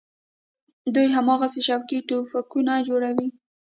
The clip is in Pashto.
دوى هماغسې شوقي ټوپکې جوړوي.